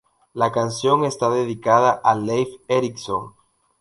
La canción está dedicada a Leif Erikson.